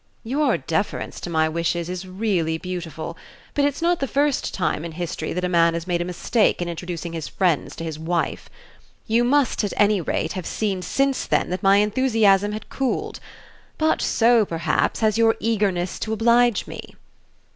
"Your deference to my wishes is really beautiful; but it's not the first time in history that a man has made a mistake in introducing his friends to his wife. You must, at any rate, have seen since then that my enthusiasm had cooled; but so, perhaps, has your eagerness to oblige me."